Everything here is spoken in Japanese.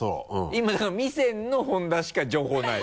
今だから美泉の本田しか情報ない。